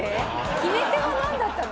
決め手はなんだったの？